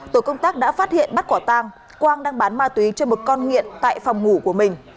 tổ công tác đã phát hiện bắt quả tang quang đang bán ma túy cho một con nghiện tại phòng ngủ của mình